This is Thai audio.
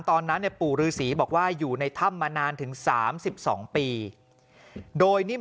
ตอนนั้นเนี่ยปู่ฤษีบอกว่าอยู่ในถ้ำมานานถึง๓๒ปีโดยนิ่ม